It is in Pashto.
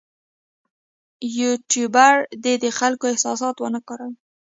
یوټوبر دې د خلکو احساسات ونه کاروي.